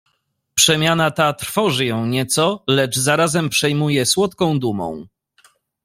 "Przemiana ta trwoży ją nieco, lecz zarazem przejmuje słodką dumą."